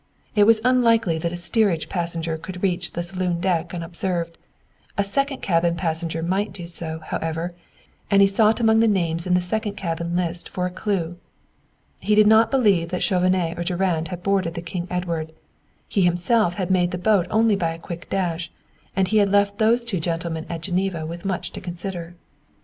It was unlikely that a steerage passenger could reach the saloon deck unobserved; a second cabin passenger might do so, however, and he sought among the names in the second cabin list for a clue. He did not believe that Chauvenet or Durand had boarded the King Edward. He himself had made the boat only by a quick dash, and he had left those two gentlemen at Geneva with much to consider.